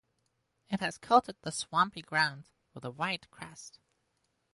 It has coated the swampy ground with a white crust.